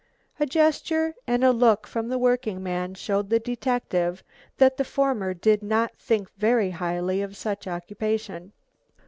A gesture and a look from the workingman showed the detective that the former did not think very highly of such occupation.